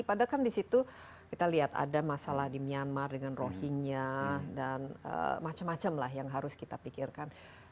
padahal kan di situ kita lihat ada masalah di myanmar dengan rohingya dan macam macam lah yang harus kita pikirkan